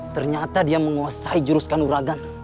ternyata dia menguasai jurus kanuragan